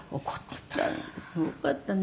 「すごかったね」